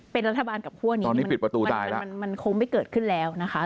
เป็นรัฐบาลกับคั่วนี้มันคงไม่เกิดขึ้นแล้วนะคะ